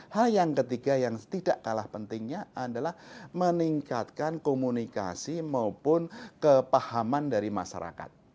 hal yang ketiga yang tidak kalah pentingnya adalah meningkatkan komunikasi maupun kepahaman dari masyarakat